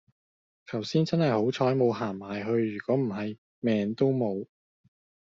求先真喺好彩冇行埋去如果唔喺命都冇